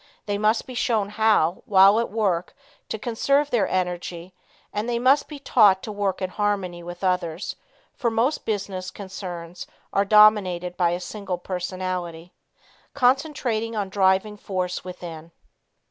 They must be shown how, while at this work, to conserve their energy and they must be taught to work in harmony with others, for most business concerns are dominated by a single personality. Concentrating on Driving Force Within.